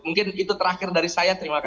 mungkin itu terakhir dari saya terima